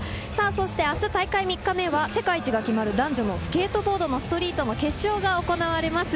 そして明日、大会３日目は世界一が決まる男女のスケートボードのストリートの決勝が行われます。